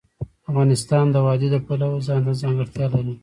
افغانستان د وادي د پلوه ځانته ځانګړتیا لري.